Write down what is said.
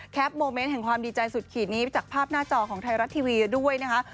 โมเมนต์แห่งความดีใจสุดขีดนี้จากภาพหน้าจอของไทยรัฐทีวีด้วยนะคะ